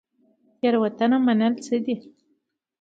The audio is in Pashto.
تیروتنه منل څه دي؟